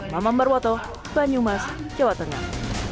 mama barwoto banyumas jawa tengah